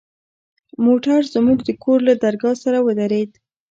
موټر زموږ د کور له درگاه سره ودرېد.